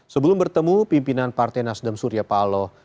sebelum bertemu pimpinan partai nasdem surya paloh